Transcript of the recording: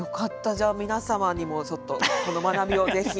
じゃあ皆様にもちょっとこの学びをぜひ。